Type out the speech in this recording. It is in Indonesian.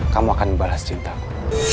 kamu akan membalas cintaku